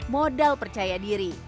modal percaya diri